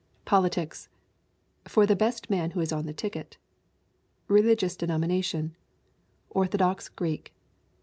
Politics: For the best man who is on the ticket. Religious denomination: Orthodox Greek.